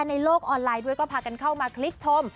ในโลกออนไลน์ด้วยก็พากันเข้ามาคลิกชม